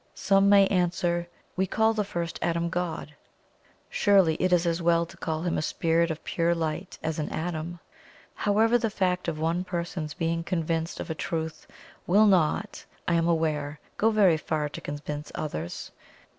Some may answer: "We call the first atom GOD." Surely it is as well to call Him a Spirit of pure Light as an atom? However, the fact of one person's being convinced of a truth will not, I am aware, go very far to convince others.